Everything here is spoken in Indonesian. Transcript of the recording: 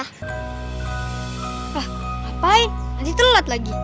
wah ngapain nanti telat lagi